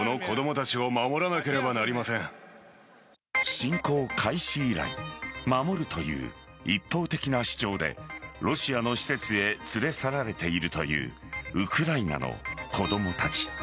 侵攻開始以来守るという一方的な主張でロシアの施設へ連れ去られているというウクライナの子供たち。